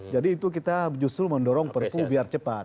jadi itu kita justru mendorong perpu biar cepat